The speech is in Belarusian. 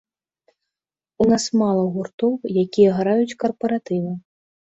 У нас мала гуртоў, якія граюць карпаратывы.